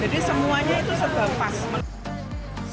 jadi semuanya itu sebebas